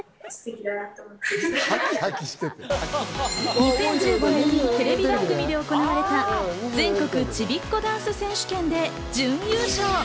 ２０１５年にテレビ番組で行われた全国ちびっこダンス選手権で準優勝。